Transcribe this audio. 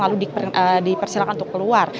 lalu dipersilakan untuk keluar